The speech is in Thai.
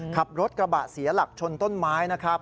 ขับรถกระบะเสียหลักชนต้นไม้นะครับ